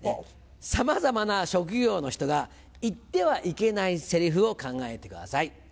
さまざまな職業の人が言ってはいけないセリフを考えてください。